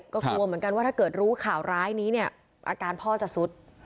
ก็กลัวเหมือนกันว่าถ้าเกิดรู้ข่าวร้ายนี้เนี่ยอาการพ่อจะสุด